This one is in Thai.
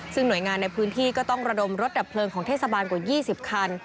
ซึ่งหน่วยงานในพื้นที่ก็ต้องระดมรถดับเพลิงของเทศบาลกว่า๒๐คัน